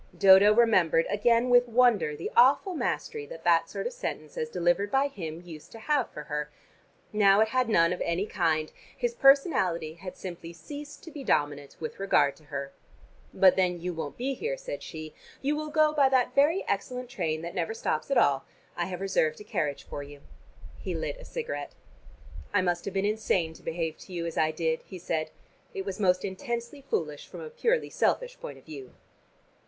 Dodo remembered, again with wonder, the awful mastery that that sort of sentence as delivered by him used to have for her. Now it had none of any kind: his personality had simply ceased to be dominant with regard to her. "But then you won't be here," said she. "You will go by that very excellent train that never stops at all; I have reserved a carriage for you." He lit a cigarette. "I must have been insane to behave to you as I did," he said. "It was most intensely foolish from a purely selfish point of view."